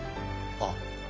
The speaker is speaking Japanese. ああ。